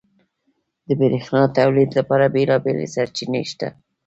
• د برېښنا تولید لپاره بېلابېلې سرچینې شته.